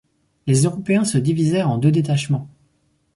Les Européens se divisèrent en deux détachements.